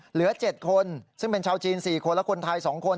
เหลือ๗คนซึ่งเป็นชาวจีน๔คนและคนไทย๒คน